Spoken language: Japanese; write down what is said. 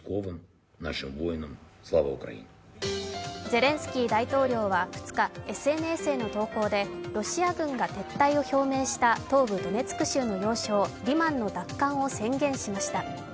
ゼレンスキー大統領は２日ＳＮＳへの投稿でロシア軍が撤退を表明した東部ドネツク州の要衝リマンの奪還を宣言しました。